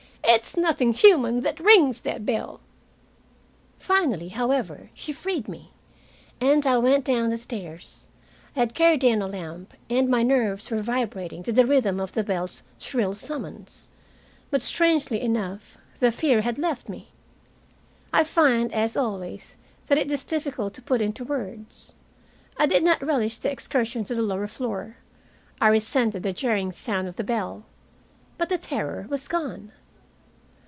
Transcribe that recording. "It's nothing human that rings that bell." Finally, however, she freed me, and I went down the stairs. I had carried down a lamp, and my nerves were vibrating to the rhythm of the bell's shrill summons. But, strangely enough, the fear had left me. I find, as always, that it is difficult to put into words. I did not relish the excursion to the lower floor. I resented the jarring sound of the bell. But the terror was gone.